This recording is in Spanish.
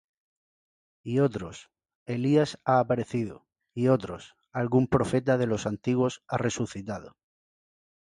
Y otros: Elías ha aparecido; y otros: Algún profeta de los antiguos ha resucitado.